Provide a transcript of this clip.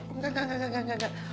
enggak enggak enggak enggak